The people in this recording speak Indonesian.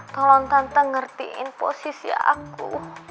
tolong tante ngertiin posisi aku